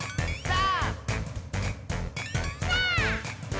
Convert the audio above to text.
さあ！